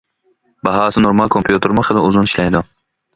باھاسى نورمال كومپيۇتېرمۇ خېلى ئۇزۇن ئىشلەيدۇ.